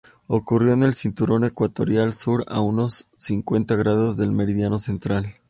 Ocurrió en el Cinturón Ecuatorial Sur, a unos cincuenta grados del meridiano central.